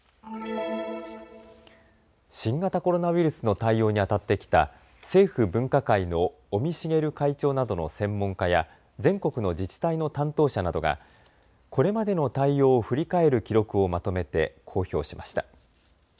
新型コロナウイルスの対応にあたってきた政府分科会の尾身茂会長などの専門家や全国の自治体の担当者などがこれまでの対応を振り返る記録をまとめて公表しました。